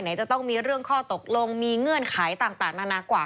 จะต้องมีเรื่องข้อตกลงมีเงื่อนไขต่างนานากว่า